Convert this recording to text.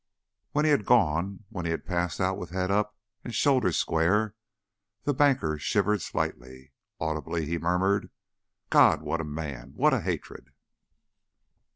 When he had gone, when he had passed out with head up and shoulders square, the banker shivered slightly. Audibly he murmured: "God, what a man! What a hatred!"